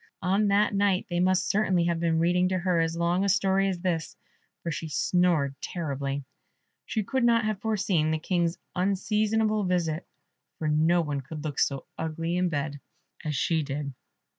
On that night they must certainly have been reading to her as long a story as this, for she snored terribly. She could not have foreseen the King's unseasonable visit, for no one could look so ugly in bed as she did.